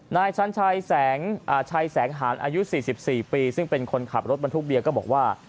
นายชั้นชัยแสงหารอายุ๔๔ปีซึ่งเป็นคนขับรถบรรทุกเบียร์ก็บอกว่า